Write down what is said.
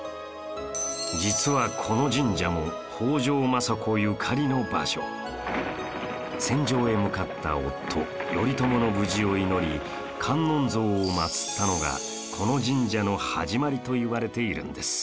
実はこの神社も戦場へ向かった夫・頼朝の無事を祈り観音像をまつったのがこの神社の始まりといわれているんです